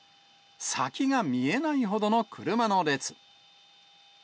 先が見えないほどの車の列。